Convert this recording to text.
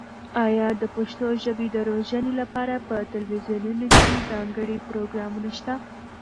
ایا د پښتو ژبې د روزنې لپاره په تلویزیونونو کې ځانګړي پروګرامونه شته؟